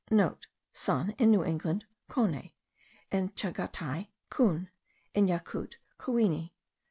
(Sun, in New England, kone; in Tschagatai, koun; in Yakout, kouini.